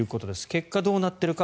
結果、どうなっているか。